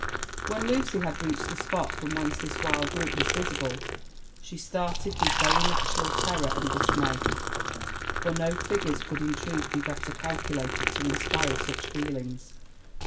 When Lucy had reached the spot from whence this wild group was visible, she started with very natural terror and dismay, for no figures could in truth be better calculated to inspire such feelings.